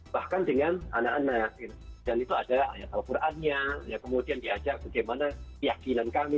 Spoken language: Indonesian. nah dan itu ada ayat al qurannya kemudian diajak bagaimana keyakinan kami